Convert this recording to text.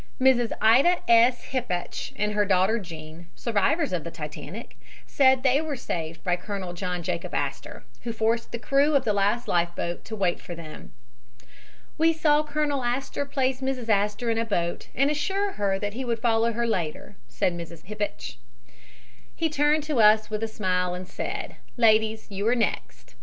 Mrs. Ida S. Hippach and her daughter Jean, survivors of the Titanic, said they were saved by Colonel John Jacob Astor, who forced the crew of the last life boat to wait for them. "We saw Colonel Astor place Mrs. Astor in a boat and assure her that he would follow later," said Mrs. Hippach. "He turned to us with a smile and said, 'Ladies, you are next.'